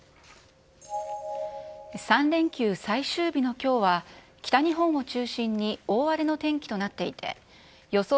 ３連休最終日のきょうは、北日本を中心に大荒れの天気となっていて、予想